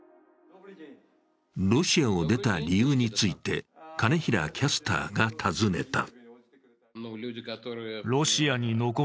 ロシアを出た理由について金平キャスターが尋ねた。